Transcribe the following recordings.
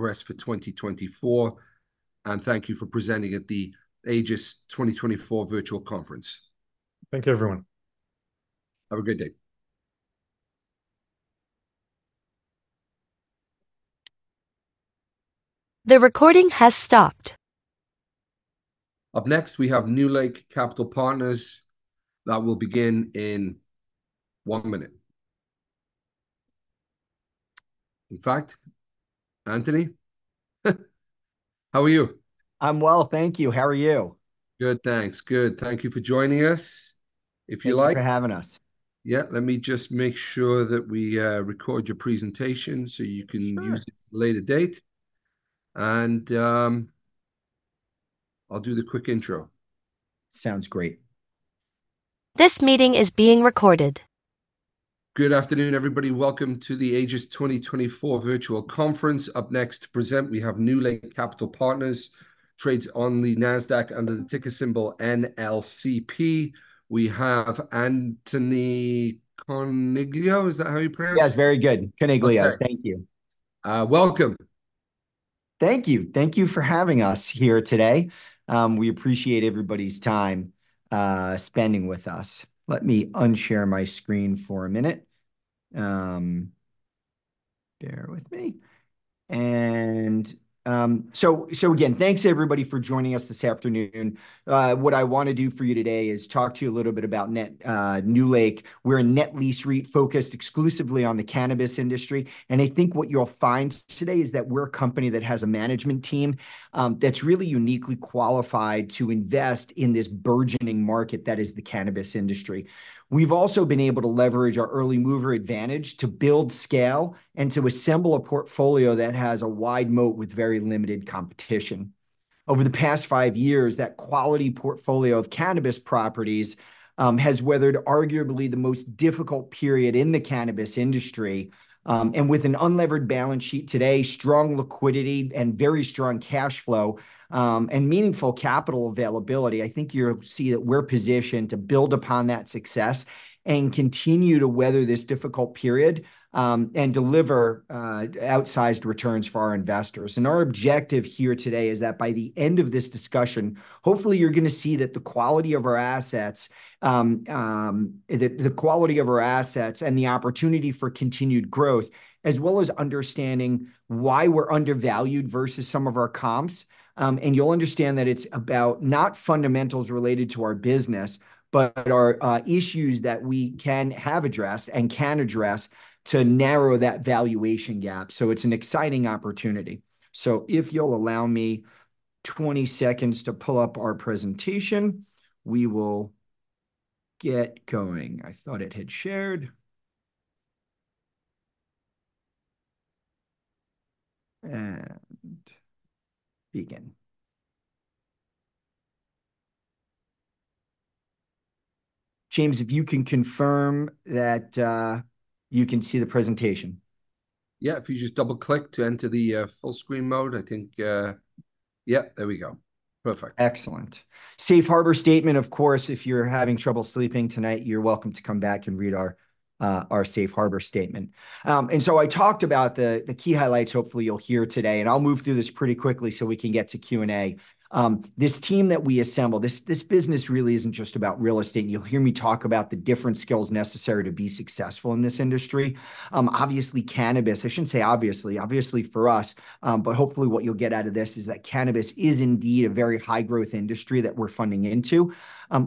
Congress for 2024, and thank you for presenting at the Aegis 2024 virtual conference. Thank you, everyone. Have a good day. The recording has stopped. Up next, we have NewLake Capital Partners that will begin in 1 minute. In fact, Anthony, how are you? I'm well, thank you. How are you? Good, thanks. Good. Thank you for joining us. If you like. Thanks for having us. Yeah, let me just make sure that we record your presentation so you can use it at a later date. I'll do the quick intro. Sounds great. This meeting is being recorded. Good afternoon, everybody. Welcome to the Aegis 2024 virtual conference. Up next to present, we have NewLake Capital Partners, trades on the NASDAQ under the ticker symbol NLCP. We have Anthony Coniglio. Is that how you pronounce it? Yes, very good. Coniglio, thank you. Welcome. Thank you. Thank you for having us here today. We appreciate everybody's time spending with us. Let me unshare my screen for a minute. Bear with me. And so again, thanks, everybody, for joining us this afternoon. What I want to do for you today is talk to you a little bit about NewLake. We're a net lease REIT focused exclusively on the cannabis industry. And I think what you'll find today is that we're a company that has a management team that's really uniquely qualified to invest in this burgeoning market that is the cannabis industry. We've also been able to leverage our early mover advantage to build scale and to assemble a portfolio that has a wide moat with very limited competition. Over the past five years, that quality portfolio of cannabis properties has weathered arguably the most difficult period in the cannabis industry. With an unlevered balance sheet today, strong liquidity and very strong cash flow, and meaningful capital availability, I think you'll see that we're positioned to build upon that success and continue to weather this difficult period and deliver outsized returns for our investors. Our objective here today is that by the end of this discussion, hopefully you're going to see that the quality of our assets, the quality of our assets, and the opportunity for continued growth, as well as understanding why we're undervalued versus some of our comps. You'll understand that it's about not fundamentals related to our business, but our issues that we can have addressed and can address to narrow that valuation gap. It's an exciting opportunity. If you'll allow me 20 seconds to pull up our presentation, we will get going. I thought it had shared. Begin. James, if you can confirm that you can see the presentation. Yeah, if you just double-click to enter the full-screen mode, I think yep, there we go. Perfect. Excellent. Safe Harbor Statement, of course, if you're having trouble sleeping tonight, you're welcome to come back and read our Safe Harbor Statement. And so I talked about the key highlights hopefully you'll hear today, and I'll move through this pretty quickly so we can get to Q&A. This team that we assemble, this business really isn't just about real estate. And you'll hear me talk about the different skills necessary to be successful in this industry. Obviously, cannabis I shouldn't say obviously. Obviously for us. But hopefully what you'll get out of this is that cannabis is indeed a very high-growth industry that we're funding into.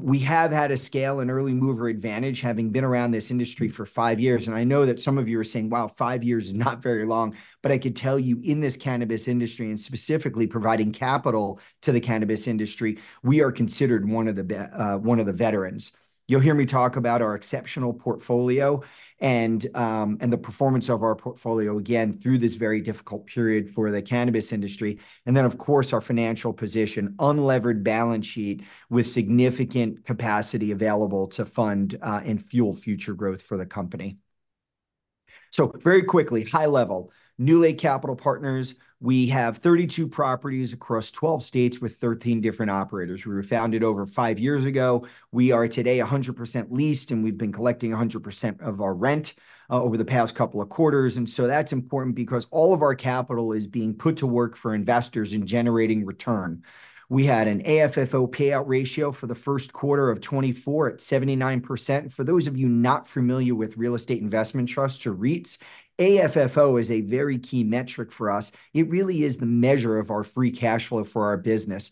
We have had a scale and early mover advantage having been around this industry for five years. And I know that some of you are saying, "Wow, five years is not very long." But I could tell you in this cannabis industry and specifically providing capital to the cannabis industry, we are considered one of the veterans. You'll hear me talk about our exceptional portfolio and the performance of our portfolio, again, through this very difficult period for the cannabis industry. And then, of course, our financial position, unlevered balance sheet with significant capacity available to fund and fuel future growth for the company. So very quickly, high level, NewLake Capital Partners, we have 32 properties across 12 states with 13 different operators. We were founded over five years ago. We are today 100% leased, and we've been collecting 100% of our rent over the past couple of quarters. That's important because all of our capital is being put to work for investors and generating return. We had an AFFO payout ratio for the first quarter of 2024 at 79%. For those of you not familiar with real estate investment trusts or REITs, AFFO is a very key metric for us. It really is the measure of our free cash flow for our business.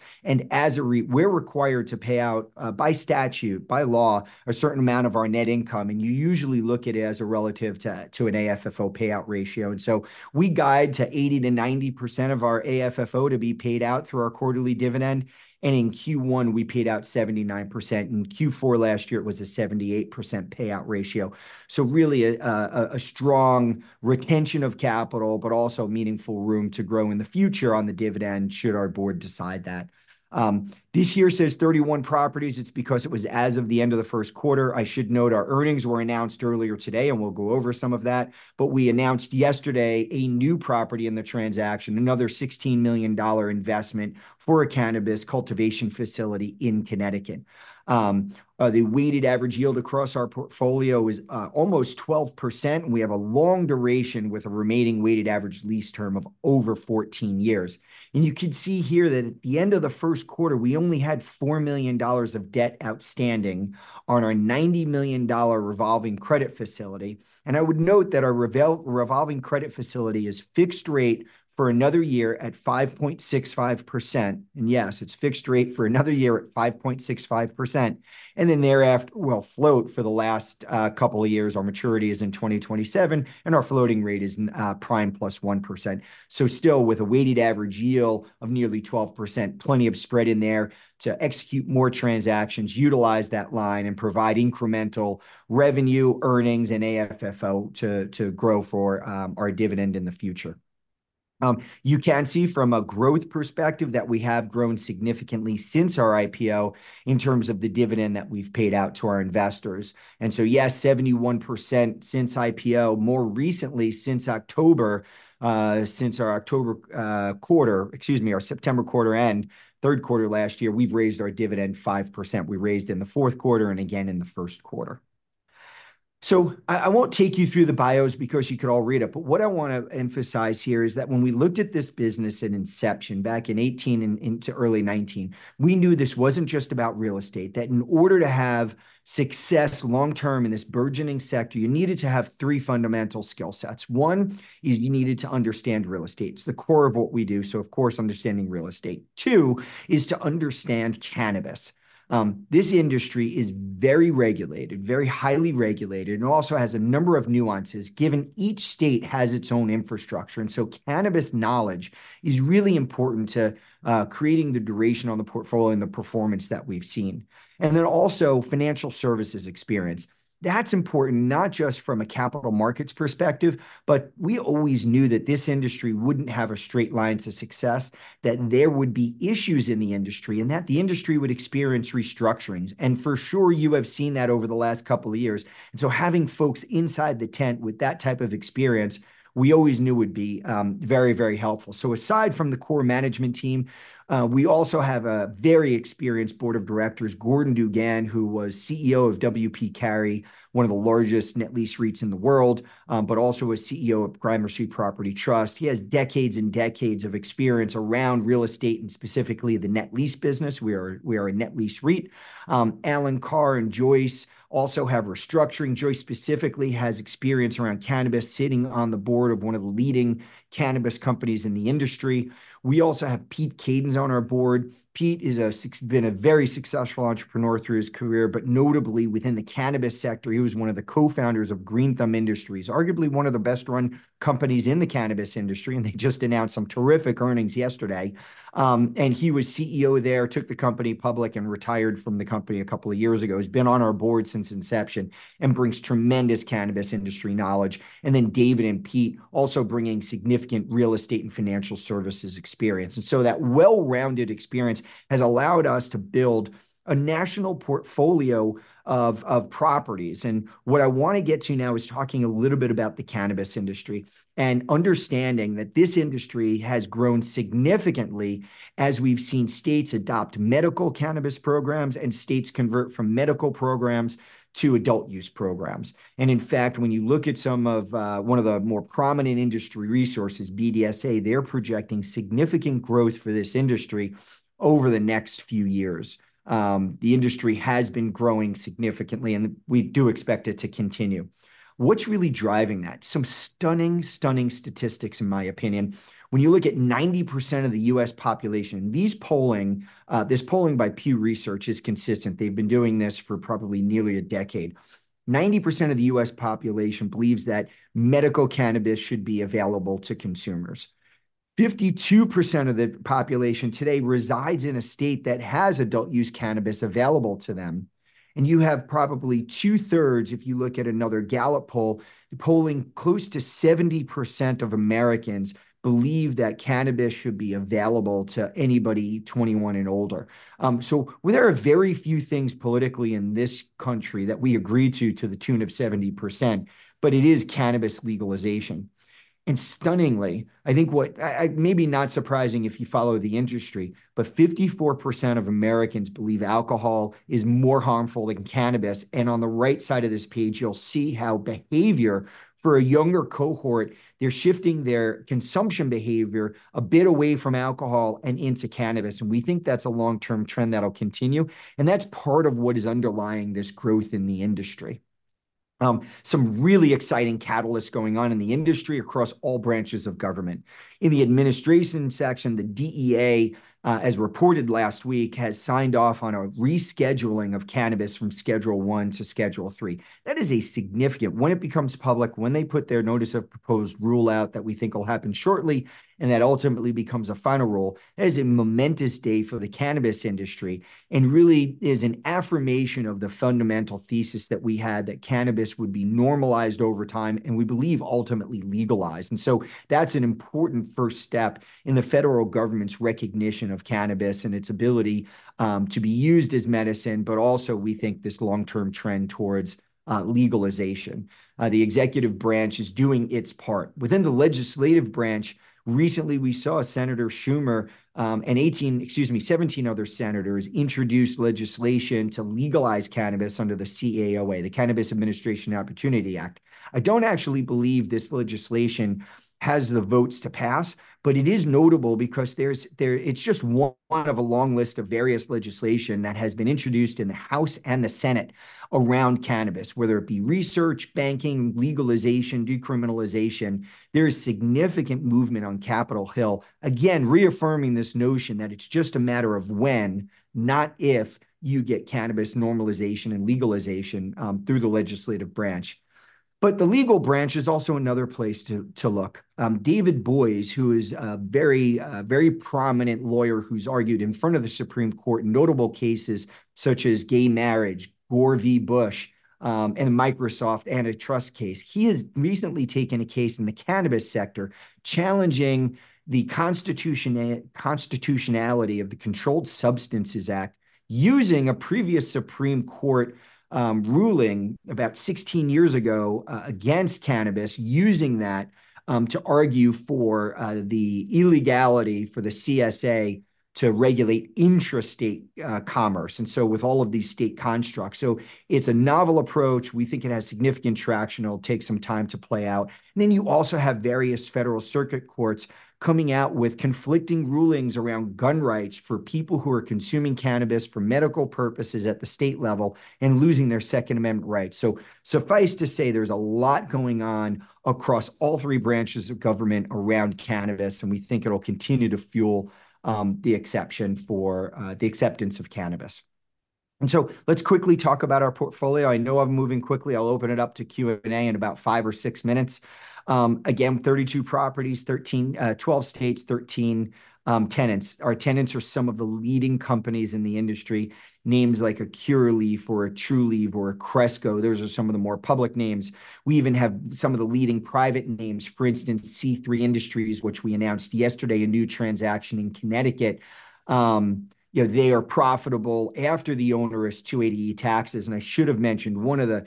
As a REIT, we're required to pay out by statute, by law, a certain amount of our net income. You usually look at it as a relative to an AFFO payout ratio. We guide to 80%-90% of our AFFO to be paid out through our quarterly dividend. In Q1, we paid out 79%. In Q4 last year, it was a 78% payout ratio. So really a strong retention of capital, but also meaningful room to grow in the future on the dividend should our board decide that. This year says 31 properties. It's because it was as of the end of the first quarter. I should note our earnings were announced earlier today, and we'll go over some of that. But we announced yesterday a new property in the transaction, another $16 million investment for a cannabis cultivation facility in Connecticut. The weighted average yield across our portfolio is almost 12%. We have a long duration with a remaining weighted average lease term of over 14 years. And you could see here that at the end of the first quarter, we only had $4 million of debt outstanding on our $90 million revolving credit facility. And I would note that our revolving credit facility is fixed rate for another year at 5.65%. And yes, it's fixed rate for another year at 5.65%. And then thereafter, we'll float for the last couple of years. Our maturity is in 2027, and our floating rate is prime plus 1%. So still with a weighted average yield of nearly 12%, plenty of spread in there to execute more transactions, utilize that line, and provide incremental revenue, earnings, and AFFO to grow for our dividend in the future. You can see from a growth perspective that we have grown significantly since our IPO in terms of the dividend that we've paid out to our investors. And so yes, 71% since IPO. More recently, since October, since our October quarter excuse me, our September quarter end, third quarter last year, we've raised our dividend 5%. We raised in the fourth quarter and again in the first quarter. So I won't take you through the bios because you could all read it. But what I want to emphasize here is that when we looked at this business at inception back in 2018 into early 2019, we knew this wasn't just about real estate, that in order to have success long-term in this burgeoning sector, you needed to have three fundamental skill sets. One is you needed to understand real estate. It's the core of what we do. So of course, understanding real estate. Two is to understand cannabis. This industry is very regulated, very highly regulated, and also has a number of nuances, given each state has its own infrastructure. And so cannabis knowledge is really important to creating the duration on the portfolio and the performance that we've seen. And then also financial services experience. That's important, not just from a capital markets perspective, but we always knew that this industry wouldn't have a straight line to success, that there would be issues in the industry, and that the industry would experience restructurings. For sure, you have seen that over the last couple of years. Having folks inside the tent with that type of experience, we always knew would be very, very helpful. Aside from the core management team, we also have a very experienced board of directors, Gordon DuGan, who was CEO of W. P. Carey, one of the largest net lease REITs in the world, but also was CEO of Gramercy Property Trust. He has decades and decades of experience around real estate and specifically the net lease business. We are a net lease REIT. Alan Carr and Joyce also have restructuring. Joyce specifically has experience around cannabis, sitting on the board of one of the leading cannabis companies in the industry. We also have Pete Kadens on our board. Pete has been a very successful entrepreneur through his career, but notably within the cannabis sector. He was one of the co-founders of Green Thumb Industries, arguably one of the best-run companies in the cannabis industry. They just announced some terrific earnings yesterday. He was CEO there, took the company public, and retired from the company a couple of years ago. He's been on our board since inception and brings tremendous cannabis industry knowledge. David and Pete also bring significant real estate and financial services experience. That well-rounded experience has allowed us to build a national portfolio of properties. What I want to get to now is talking a little bit about the cannabis industry and understanding that this industry has grown significantly as we've seen states adopt medical cannabis programs and states convert from medical programs to adult use programs. In fact, when you look at some of one of the more prominent industry resources, BDSA, they're projecting significant growth for this industry over the next few years. The industry has been growing significantly, and we do expect it to continue. What's really driving that? Some stunning, stunning statistics, in my opinion. When you look at 90% of the U.S. population, this polling by Pew Research is consistent. They've been doing this for probably nearly a decade. 90% of the U.S. population believes that medical cannabis should be available to consumers. 52% of the population today resides in a state that has adult use cannabis available to them. You have probably two-thirds, if you look at another Gallup poll, polling close to 70% of Americans believe that cannabis should be available to anybody 21 and older. There are very few things politically in this country that we agree to, to the tune of 70%, but it is cannabis legalization. Stunningly, I think what maybe not surprising if you follow the industry, but 54% of Americans believe alcohol is more harmful than cannabis. On the right side of this page, you'll see how behavior for a younger cohort, they're shifting their consumption behavior a bit away from alcohol and into cannabis. We think that's a long-term trend that'll continue. That's part of what is underlying this growth in the industry. Some really exciting catalysts going on in the industry across all branches of government. In the administration section, the DEA, as reported last week, has signed off on a rescheduling of cannabis from Schedule I to Schedule III. That is significant. When it becomes public, when they put their notice of proposed rule out that we think will happen shortly, and that ultimately becomes a final rule, that is a momentous day for the cannabis industry and really is an affirmation of the fundamental thesis that we had that cannabis would be normalized over time and we believe ultimately legalized. And so that's an important first step in the federal government's recognition of cannabis and its ability to be used as medicine, but also we think this long-term trend towards legalization. The executive branch is doing its part. Within the legislative branch, recently we saw Senator Schumer and 17 other senators introduce legislation to legalize cannabis under the CAOA, the Cannabis Administration Opportunity Act. I don't actually believe this legislation has the votes to pass, but it is notable because it's just one of a long list of various legislation that has been introduced in the House and the Senate around cannabis, whether it be research, banking, legalization, decriminalization. There is significant movement on Capitol Hill, again, reaffirming this notion that it's just a matter of when, not if, you get cannabis normalization and legalization through the legislative branch. But the legal branch is also another place to look. David Boies, who is a very, very prominent lawyer who's argued in front of the Supreme Court in notable cases such as gay marriage, Gore v. Bush, and the Microsoft antitrust case, he has recently taken a case in the cannabis sector challenging the constitutionality of the Controlled Substances Act, using a previous Supreme Court ruling about 16 years ago against cannabis, using that to argue for the illegality for the CSA to regulate interstate commerce. And so with all of these state constructs. So it's a novel approach. We think it has significant traction. It'll take some time to play out. And then you also have various federal circuit courts coming out with conflicting rulings around gun rights for people who are consuming cannabis for medical purposes at the state level and losing their Second Amendment rights. So suffice to say, there's a lot going on across all three branches of government around cannabis, and we think it'll continue to fuel the acceptance for the acceptance of cannabis. And so let's quickly talk about our portfolio. I know I'm moving quickly. I'll open it up to Q&A in about five or six minutes. Again, 32 properties, 12 states, 13 tenants. Our tenants are some of the leading companies in the industry. Names like Curaleaf or Trulieve or Cresco, those are some of the more public names. We even have some of the leading private names, for instance, C3 Industries, which we announced yesterday, a new transaction in Connecticut. They are profitable after the onerous 280E taxes. And I should have mentioned one of the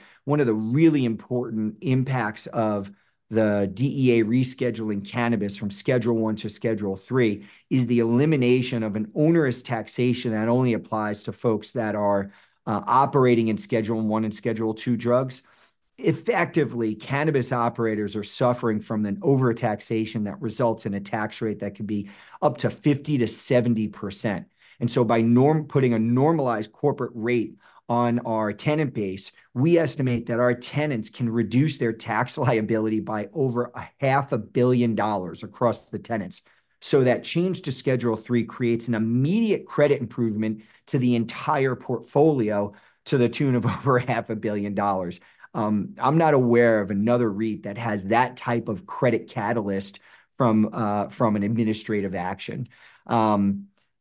really important impacts of the DEA rescheduling cannabis from Schedule I to Schedule III is the elimination of an onerous taxation that only applies to folks that are operating in Schedule I and Schedule II drugs. Effectively, cannabis operators are suffering from an overtaxation that results in a tax rate that could be up to 50%-70%. And so by putting a normalized corporate rate on our tenant base, we estimate that our tenants can reduce their tax liability by over $500 million across the tenants. So that change to Schedule III creates an immediate credit improvement to the entire portfolio to the tune of over $500 million. I'm not aware of another REIT that has that type of credit catalyst from an administrative action.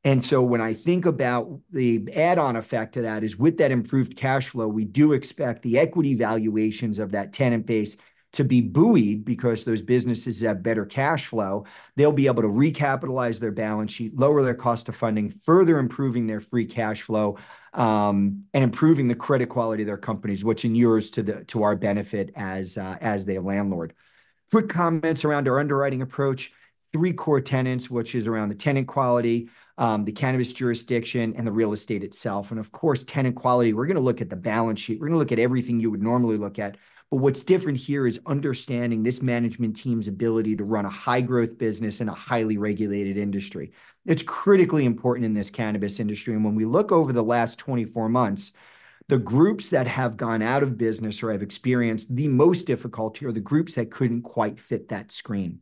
And so when I think about the add-on effect to that is with that improved cash flow, we do expect the equity valuations of that tenant base to be buoyed because those businesses have better cash flow. They'll be able to recapitalize their balance sheet, lower their cost of funding, further improving their free cash flow, and improving the credit quality of their companies, which inures to our benefit as the landlord. Quick comments around our underwriting approach. Three core tenets, which is around the tenant quality, the cannabis jurisdiction, and the real estate itself. Of course, tenant quality, we're going to look at the balance sheet. We're going to look at everything you would normally look at. But what's different here is understanding this management team's ability to run a high-growth business in a highly regulated industry. It's critically important in this cannabis industry. And when we look over the last 24 months, the groups that have gone out of business or have experienced the most difficulty are the groups that couldn't quite fit that screen.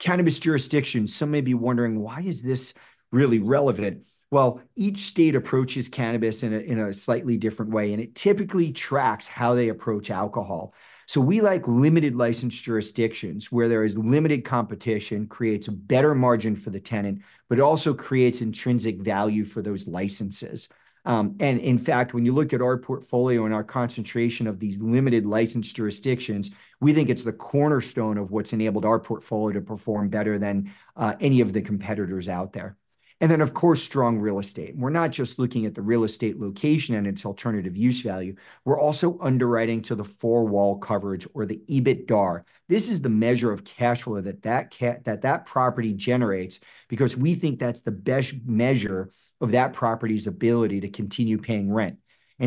Cannabis jurisdictions, some may be wondering, why is this really relevant? Well, each state approaches cannabis in a slightly different way, and it typically tracks how they approach alcohol. So we like limited licensed jurisdictions where there is limited competition, creates a better margin for the tenant, but also creates intrinsic value for those licenses. And in fact, when you look at our portfolio and our concentration of these limited licensed jurisdictions, we think it's the cornerstone of what's enabled our portfolio to perform better than any of the competitors out there. And then, of course, strong real estate. We're not just looking at the real estate location and its alternative use value. We're also underwriting to the four-wall coverage or the EBITDA. This is the measure of cash flow that that property generates because we think that's the best measure of that property's ability to continue paying rent.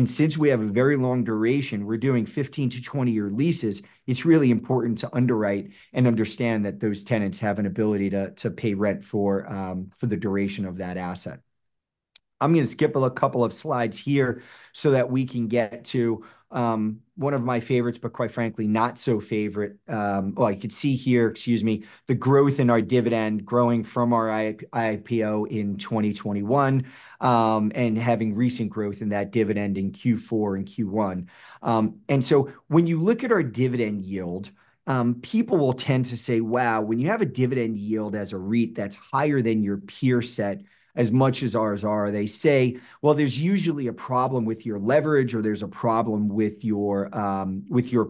Since we have a very long duration, we're doing 15-20-year leases. It's really important to underwrite and understand that those tenants have an ability to pay rent for the duration of that asset. I'm going to skip a couple of slides here so that we can get to one of my favorites, but quite frankly, not so favorite. Oh, you could see here, excuse me, the growth in our dividend growing from our IPO in 2021 and having recent growth in that dividend in Q4 and Q1. And so when you look at our dividend yield, people will tend to say, "Wow, when you have a dividend yield as a REIT that's higher than your peer set as much as ours are," they say, "Well, there's usually a problem with your leverage or there's a problem with your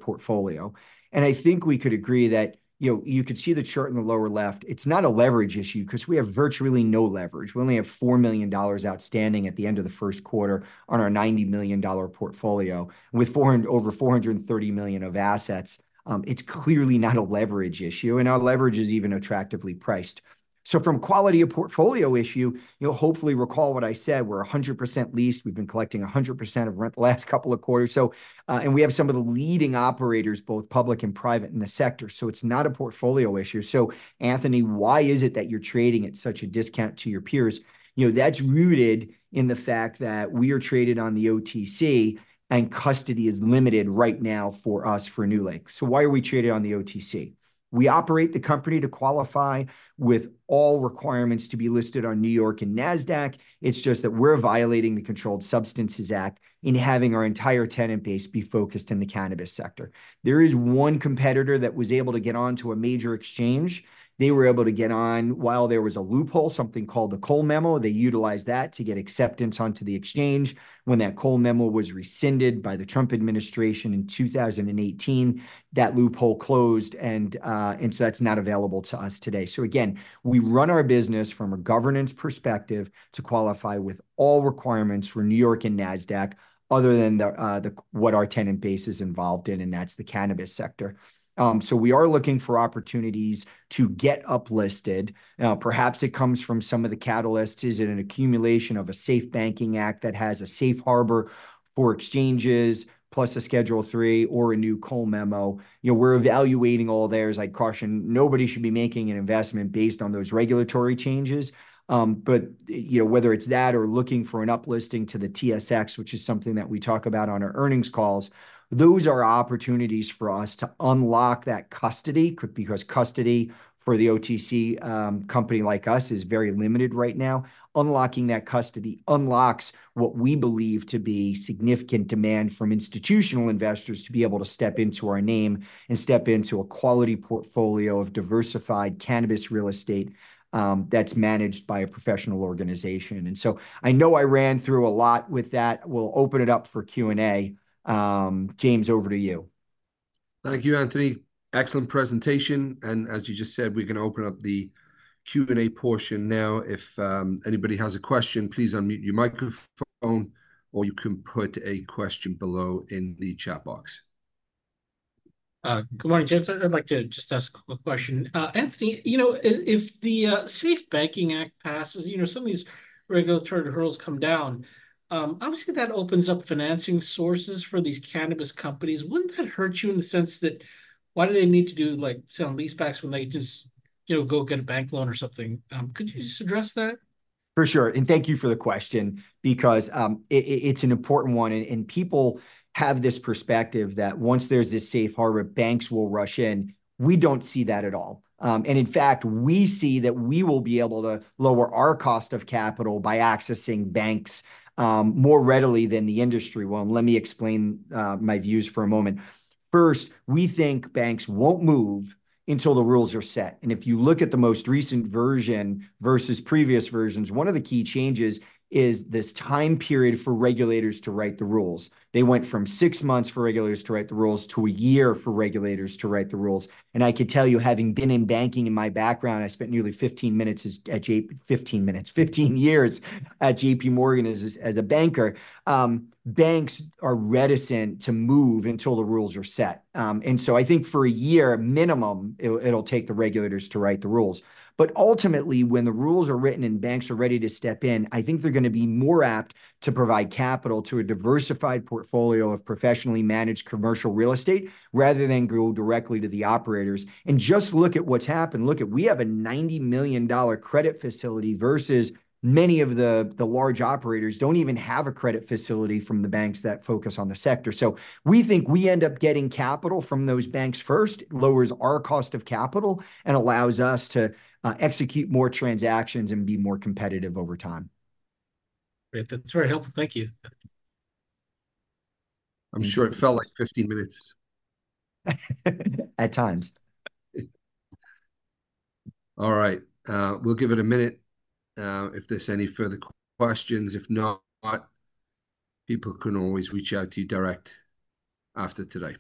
portfolio." And I think we could agree that you could see the chart in the lower left. It's not a leverage issue because we have virtually no leverage. We only have $4 million outstanding at the end of the first quarter on our $90 million portfolio with over $430 million of assets. It's clearly not a leverage issue, and our leverage is even attractively priced. So from quality of portfolio issue, you'll hopefully recall what I said. We're 100% leased. We've been collecting 100% of rent the last couple of quarters. And we have some of the leading operators, both public and private, in the sector. So it's not a portfolio issue. So Anthony, why is it that you're trading at such a discount to your peers? That's rooted in the fact that we are traded on the OTC, and custody is limited right now for us for NewLake. So why are we traded on the OTC? We operate the company to qualify with all requirements to be listed on New York and NASDAQ. It's just that we're violating the Controlled Substances Act in having our entire tenant base be focused in the cannabis sector. There is one competitor that was able to get onto a major exchange. They were able to get on while there was a loophole, something called the Cole Memo. They utilized that to get acceptance onto the exchange. When that Cole Memo was rescinded by the Trump administration in 2018, that loophole closed, and so that's not available to us today. So again, we run our business from a governance perspective to qualify with all requirements for New York and NASDAQ other than what our tenant base is involved in, and that's the cannabis sector. So we are looking for opportunities to get uplisted. Perhaps it comes from some of the catalysts. Is it an accumulation of a SAFE Banking Act that has a safe harbor for exchanges, plus a Schedule III or a new Cole Memo? We're evaluating all there. As I'd caution, nobody should be making an investment based on those regulatory changes. But whether it's that or looking for an uplisting to the TSX, which is something that we talk about on our earnings calls, those are opportunities for us to unlock that custody because custody for the OTC company like us is very limited right now. Unlocking that custody unlocks what we believe to be significant demand from institutional investors to be able to step into our name and step into a quality portfolio of diversified cannabis real estate that's managed by a professional organization. And so I know I ran through a lot with that. We'll open it up for Q&A. James, over to you. Thank you, Anthony. Excellent presentation. As you just said, we're going to open up the Q&A portion now. If anybody has a question, please unmute your microphone, or you can put a question below in the chat box. Good morning, James. I'd like to just ask a quick question. Anthony, if the SAFE Banking Act passes, some of these regulatory hurdles come down, obviously that opens up financing sources for these cannabis companies. Wouldn't that hurt you in the sense that why do they need to do, say, sale-leasebacks when they can just go get a bank loan or something? Could you just address that? For sure. And thank you for the question because it's an important one. And people have this perspective that once there's this safe harbor, banks will rush in. We don't see that at all. And in fact, we see that we will be able to lower our cost of capital by accessing banks more readily than the industry will. And let me explain my views for a moment. First, we think banks won't move until the rules are set. And if you look at the most recent version versus previous versions, one of the key changes is this time period for regulators to write the rules. They went from six months for regulators to write the rules to a year for regulators to write the rules. And I could tell you, having been in banking in my background, I spent nearly 15 minutes at JPMorgan as a banker. Banks are reticent to move until the rules are set. So I think for a year, minimum, it'll take the regulators to write the rules. Ultimately, when the rules are written and banks are ready to step in, I think they're going to be more apt to provide capital to a diversified portfolio of professionally managed commercial real estate rather than go directly to the operators and just look at what's happened. Look, we have a $90 million credit facility versus many of the large operators don't even have a credit facility from the banks that focus on the sector. We think we end up getting capital from those banks first, lowers our cost of capital, and allows us to execute more transactions and be more competitive over time. Great. That's very helpful. Thank you. I'm sure it felt like 15 minutes. At times. All right. We'll give it a minute if there's any further questions. If not, people can always reach out to you direct after today.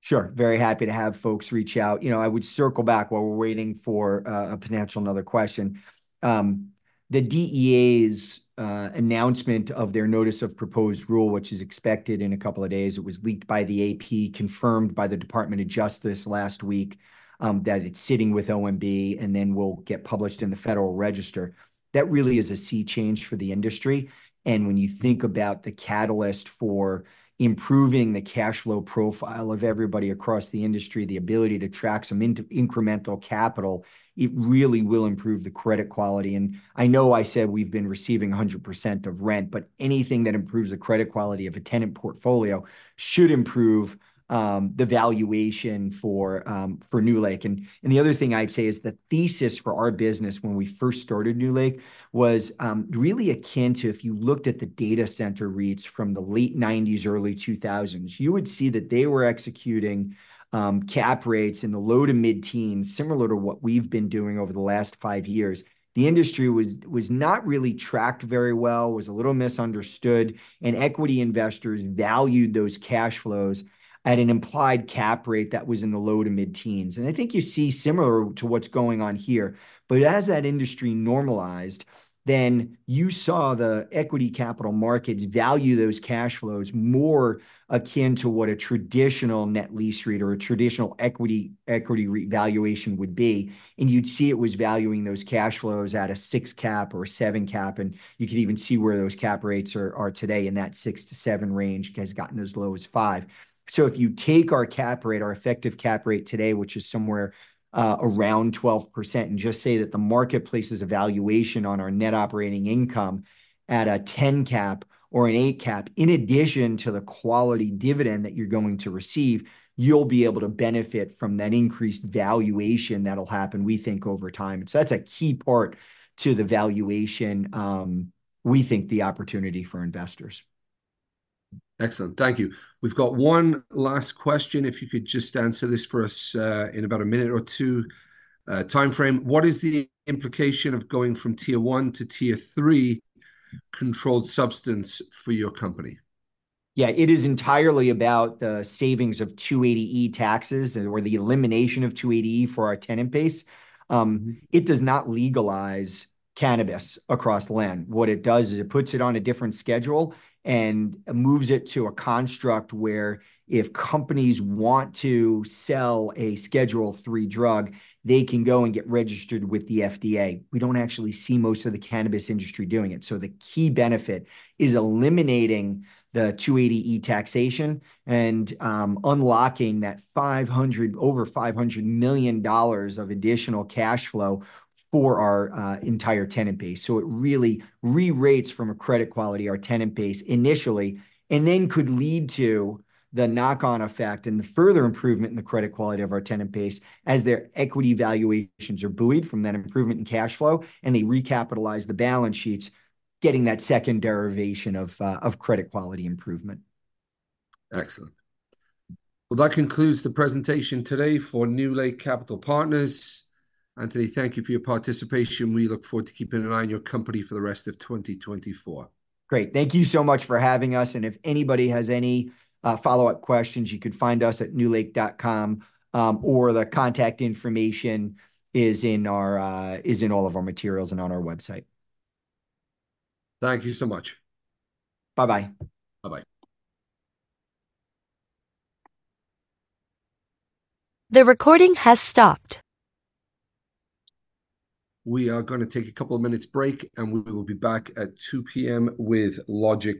Sure. Very happy to have folks reach out. I would circle back while we're waiting for potentially another question. The DEA's announcement of their notice of proposed rule, which is expected in a couple of days, it was leaked by the AP, confirmed by the Department of Justice last week that it's sitting with OMB, and then will get published in the Federal Register. That really is a sea change for the industry. And when you think about the catalyst for improving the cash flow profile of everybody across the industry, the ability to track some incremental capital, it really will improve the credit quality. And I know I said we've been receiving 100% of rent, but anything that improves the credit quality of a tenant portfolio should improve the valuation for NewLake. The other thing I'd say is the thesis for our business when we first started NewLake was really akin to if you looked at the data center REITs from the late 1990s, early 2000s, you would see that they were executing cap rates in the low to mid-teens, similar to what we've been doing over the last five years. The industry was not really tracked very well, was a little misunderstood, and equity investors valued those cash flows at an implied cap rate that was in the low to mid-teens. I think you see similar to what's going on here. But as that industry normalized, then you saw the equity capital markets value those cash flows more akin to what a traditional net lease rate or a traditional equity valuation would be. You'd see it was valuing those cash flows at a 6 cap or a 7 cap. You could even see where those cap rates are today in that 6-7 range has gotten as low as 5. So if you take our cap rate, our effective cap rate today, which is somewhere around 12%, and just say that the market places a valuation on our net operating income at a 10 cap or an 8 cap, in addition to the quality dividend that you're going to receive, you'll be able to benefit from that increased valuation that'll happen, we think, over time. And so that's a key part to the valuation, we think, the opportunity for investors. Excellent. Thank you. We've got one last question. If you could just answer this for us in about a minute or two timeframe. What is the implication of going from Schedule I to Schedule III controlled substance for your company? Yeah, it is entirely about the savings of 280E taxes or the elimination of 280E for our tenant base. It does not legalize cannabis across the land. What it does is it puts it on a different schedule and moves it to a construct where if companies want to sell a Schedule III drug, they can go and get registered with the FDA. We don't actually see most of the cannabis industry doing it. So the key benefit is eliminating the 280E taxation and unlocking that over $500 million of additional cash flow for our entire tenant base. It really re-rates from a credit quality our tenant base initially and then could lead to the knock-on effect and the further improvement in the credit quality of our tenant base as their equity valuations are buoyed from that improvement in cash flow, and they recapitalize the balance sheets, getting that second derivation of credit quality improvement. Excellent. Well, that concludes the presentation today for NewLake Capital Partners. Anthony, thank you for your participation. We look forward to keeping an eye on your company for the rest of 2024. Great. Thank you so much for having us. If anybody has any follow-up questions, you could find us at newlake.com, or the contact information is in all of our materials and on our website. Thank you so much. Bye-bye. Bye-bye. The recording has stopped. We are going to take a couple of minutes break, and we will be back at 2:00 P.M. with logic.